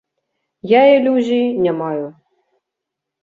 Я ілюзій не маю.